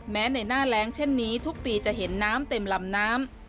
แม้ในหน้าแรงเช่นนี้ทุกปีจะเห็นน้ำเต็มลำน้ำ